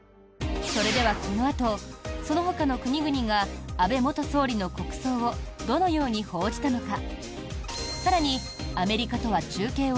それでは、このあとそのほかの国々が安倍元総理の国葬をどのように報じたのか。